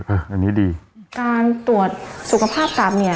อันนี้ดีการตรวจสุขภาพตับเนี่ย